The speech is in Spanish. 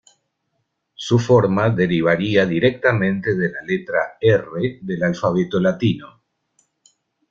Su forma derivaría directamente de la letra "R" del alfabeto latino.